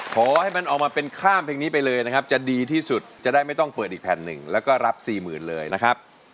ขอให้มันออกมาเป็นข้ามเพลงนี้ไปเลยนะครับจะดีที่สุดจะได้ไม่ต้องเปิดอีกแผ่นหนึ่งแล้วก็รับสี่หมื่นเลยนะครับ